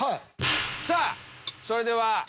さぁそれでは。